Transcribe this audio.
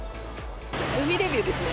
海デビューですね。